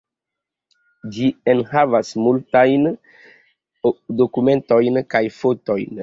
Ĝi enhavas multajn dokumentojn kaj fotojn.